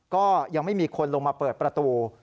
ก็ยังไม่มีคนลงมาเปิดประตู